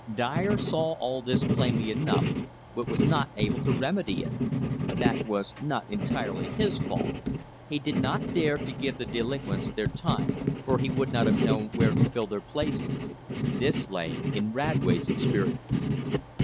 Dyer saw all this plainly enough, but was not able to remedy it. That was not entirely his fault. He did not dare give the delinquents their time, for he would not have known where to fill their places. This lay in Radway's experience.